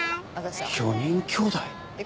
４人きょうだい。